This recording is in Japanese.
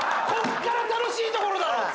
こっから楽しいところだろ！